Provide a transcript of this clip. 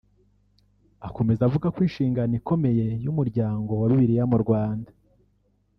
Akomeza avuga ko inshingano ikomeye y’Umuryango wa Bibiliya mu Rwanda